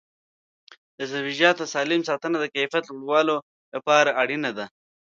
د سبزیجاتو سالم ساتنه د کیفیت لوړولو لپاره اړینه ده.